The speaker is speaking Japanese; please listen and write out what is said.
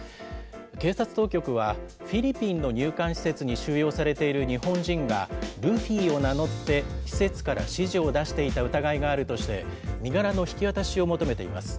警察当局は、フィリピンの入管施設に収容されている日本人が、ルフィを名乗って施設から指示を出していた疑いがあるとして、身柄の引き渡しを求めています。